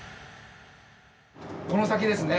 この先ですね